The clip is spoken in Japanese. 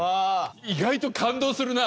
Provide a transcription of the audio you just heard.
意外と感動するな。